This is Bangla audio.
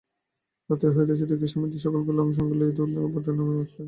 রাত্রি হইতেছে দেখিয়া স্বামীজী সকলকে সঙ্গে লইয়া দোতলার বৈঠকখানায় নামিয়ে আসিলেন।